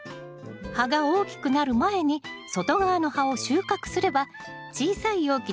葉が大きくなる前に外側の葉を収穫すれば小さい容器でも育てられます。